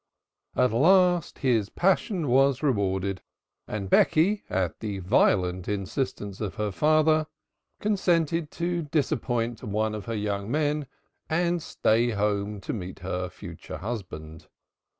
At last his passion was rewarded, and Becky, at the violent instance of her father, consented to disappoint one of her young men and stay at home to meet her future husband.